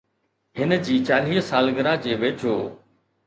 هن جي چاليهه سالگرهه جي ويجهو